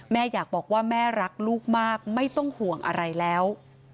แม่อยากบอกว่าแม่รักลูกมากไม่ต้องห่วงอะไรแล้ว